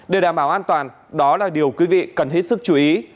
để đảm bảo an toàn đó là điều quý vị cần hết sức chú ý